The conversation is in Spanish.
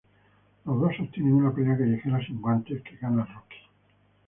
Los dos sostienen una pelea callejera sin guantes, que gana Rocky.